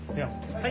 はい。